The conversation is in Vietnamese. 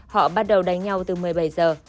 họ bắt đầu đánh nhau từ một mươi bảy giờ